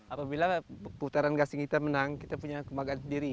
apabila putaran gasing kita menang kita punya kebanggaan sendiri